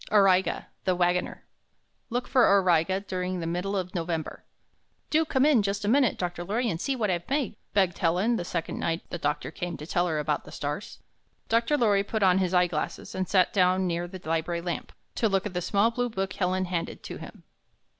AURIGA, THE WAGONER Look for Auriga during the middle of November "Do come in just a minute, Dr. Lorry, and see what I've made," begged Helen, the sec ond night the doctor came to tell her about the stars. Dr. Lorry put on his eye glasses and sat down near the library lamp, to look at the small blue book Helen handed to him.